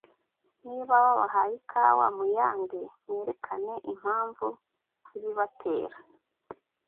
” Niba babahaye ikawa, muyange, mwerekane impamvu zibibatera.